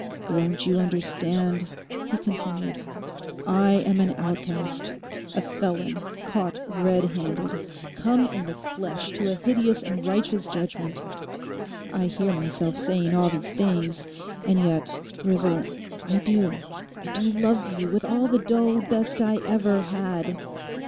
'Won't you understand?' he continued. 'I am an outcast—a felon caught red handed, come in the flesh to a hideous and righteous judgment. I hear myself saying all these things; and yet, Grisel, I do, I do love you with all the dull best I ever had.